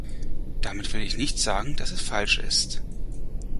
Damit will ich nicht sagen, dass es falsch ist.